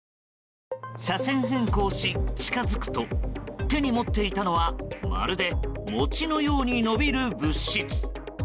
車線変更し、近づくと手に持っていたのはまるで餅のように伸びる物質。